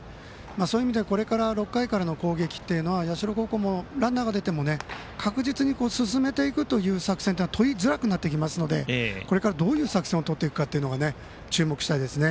そういう意味で６回からの攻撃は社高校もランナーが出ても確実に進めていく作戦がとりづらくなってきますのでこれからどういう作戦を取るか注目したいですね。